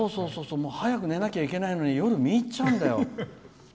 早く寝なきゃいけないのに夜見入っちゃうんだよ。